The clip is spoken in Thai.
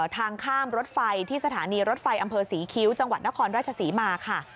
ทางข้ามรถไฟที่สถานีรถไฟอำเภอศรีคิ้วจังหวัดนครราชศรีมาค่ะ